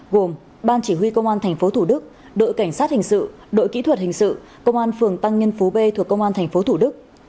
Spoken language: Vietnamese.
gồm ban chỉ huy công an tp thủ đức đội cảnh sát hình sự đội kỹ thuật hình sự công an phường tăng nhân phú b thuộc công an tp thủ đức